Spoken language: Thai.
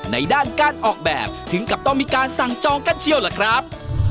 ในด้านการออกแบบถึงกับต้องมีการสั่งจองกั้นเชี่ยวล่ะครับ